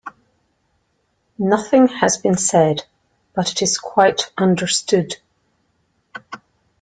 Nothing has been said, but it is quite understood.